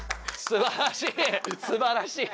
すばらしい。